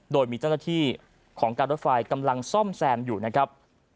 โดยมีเจ้าหน้าที่ของการรถไฟกำลังซ่อมแซมอยู่นะครับ